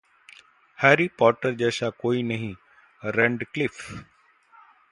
‘Harry Potter’ जैसा कोई नहीं: रैडक्लिफ